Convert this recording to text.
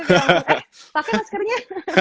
eh pakai maskernya